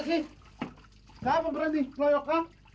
siapa berani keroyok